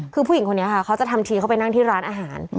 คือผู้หญิงคนนี้ค่ะเขาจะทำทีเข้าไปนั่งที่ร้านอาหาร